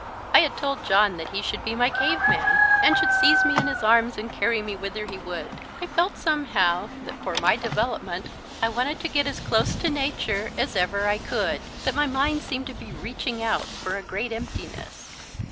I had told John that he should be my cave man, and should seize me in his arms and carry me whither he would. I felt somehow that for my development I wanted to get as close to nature as ever I could that my mind seemed to be reaching out for a great emptiness.